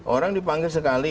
orang dipanggil sekali